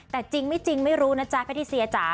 แต่จริงไม่จริงไม่รู้นะจ๊ะแพทิเซียจ๋า